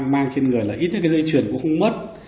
chỉ mang trên người là ít những dây chuyền cũng không mất